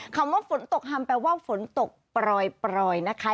คำว่าฝนตกฮัมแปลว่าฝนตกปล่อยนะคะ